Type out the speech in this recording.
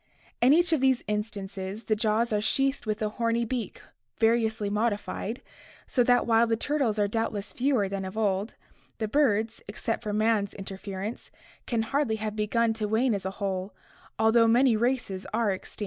In each of these instances the jaws are sheathed with a horny beak variously modified, so that while the turtles are doubtless fewer than of old, the birds, except for man's interference, can hardly have begun to wane as a whole, although many races are extinct.